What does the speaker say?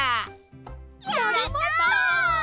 やった！